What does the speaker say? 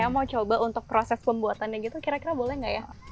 mau coba untuk proses pembuatannya gitu kira kira boleh nggak ya